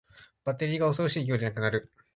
バッテリーが恐ろしい勢いでなくなる